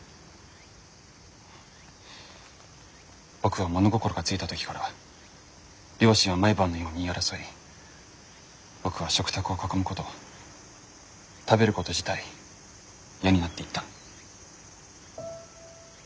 僕は物心が付いた時から両親は毎晩のように言い争い僕は食卓を囲むこと食べること自体嫌になっていった。